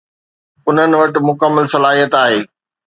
انهن وٽ مڪمل صلاحيت آهي